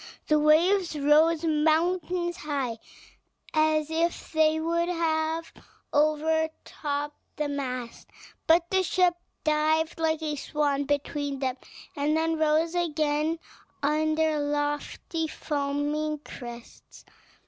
The waves rose mountains high, as if they would have overtopped the mast; but the ship dived like a swan between them, and then rose again on their lofty, foaming crests.